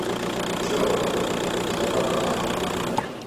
چو سبق من۔